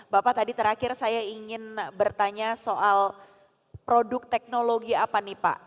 bapak tadi terakhir saya ingin bertanya soal produk teknologi apa nih pak